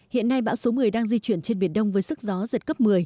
hiện nay bão số một mươi đang di chuyển trên biển đông với sức gió giật cấp một mươi